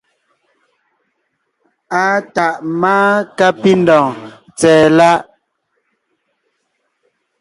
Àa tàʼ máa kápindɔ̀ɔn tsɛ̀ɛ láʼ.